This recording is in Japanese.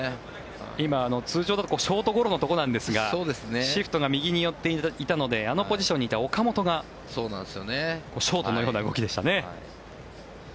今、通常だとショートゴロのところなんですがシフトが右に寄っていたのであのポジションにいた岡本がショートのような動きでしたね。